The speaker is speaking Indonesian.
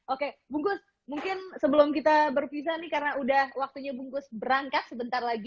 oke bungkus mungkin sebelum kita berpisah nih karena udah waktunya bungkus berangkat sebentar lagi